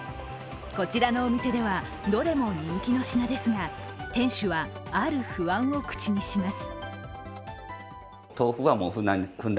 こちらのお店ではどれも人気の品ですが店主は、ある不安を口にします。